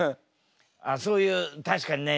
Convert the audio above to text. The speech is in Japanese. あっそういう確かにね